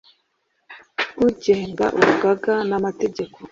agenga urugaga n’amategeko